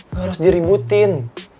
nggak harus diributin